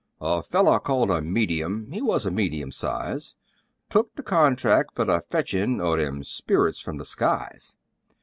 A feller called a "medium" (he wuz of medium size), Took the contract fer the fetchin' o' them sperrits from the skies.